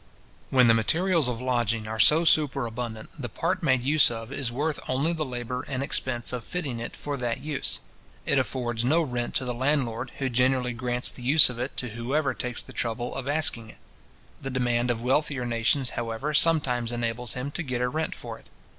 When the materials of lodging are so superabundant, the part made use of is worth only the labour and expense of fitting it for that use. It affords no rent to the landlord, who generally grants the use of it to whoever takes the trouble of asking it. The demand of wealthier nations, however, sometimes enables him to get a rent for it.